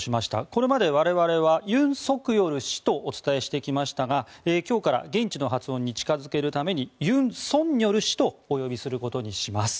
これまで我々はユン・ソクヨル氏とお伝えしてきましたが今日から現地の発音に近付けるためにユン・ソンニョル氏とお呼びすることにします。